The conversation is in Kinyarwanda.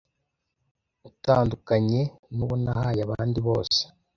utandukanye nuwo nahaye abandi bose